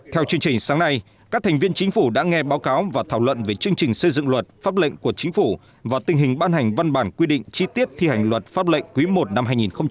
theo chương trình sáng nay các thành viên chính phủ đã nghe báo cáo và thảo luận về chương trình xây dựng luật pháp lệnh của chính phủ và tình hình ban hành văn bản quy định chi tiết thi hành luật pháp lệnh quý i năm hai nghìn hai mươi